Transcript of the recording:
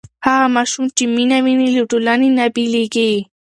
هغه ماشوم چې مینه ویني له ټولنې نه بېلېږي.